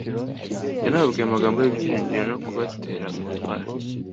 Yanababwiye amagambo y’ibyiringiro no kubatera ubutwari.